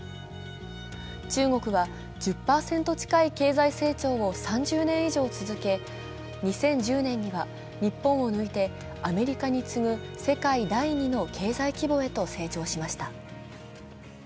中国は１０％近い経済成長を３０年以上続け、２０１０年には日本を抜いてアメリカに次ぐ世界第２の経済規模へと成長しました。